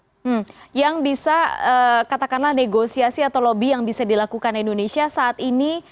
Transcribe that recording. apa yang bisa katakanlah negosiasi atau lobby yang bisa dilakukan indonesia saat ini